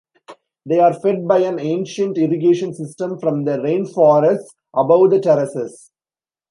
They are fed by an ancient irrigation system from the rainforests above the terraces.